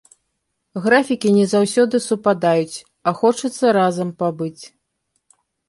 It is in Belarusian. Графікі не заўсёды супадаюць, а хочацца разам пабыць.